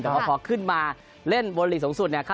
แต่พอขึ้นมาเล่นบนกงานที่สูงสุด